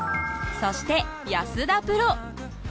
そして安田プロ。